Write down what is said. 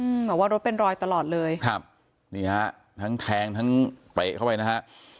บอกว่ารถเป็นรอยตลอดเลยครับนี่ฮะทั้งแทงทั้งเตะเข้าไปนะฮะ